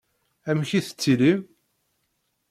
Amek i tettilim?